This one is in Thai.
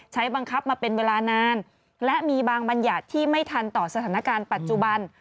ใช้บังคับมาเป็นเวลานานและมีบางบัญญัติที่ไม่ทันต่อสถานการณ์ปัจจุบัน